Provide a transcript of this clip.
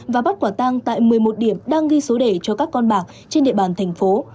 và bắt quả tang tại một mươi một điểm đang ghi số đề cho các con bạc trên địa bàn thành phố